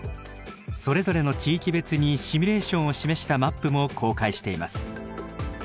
それぞれの地域別にシミュレーションを示したマップも公開しています。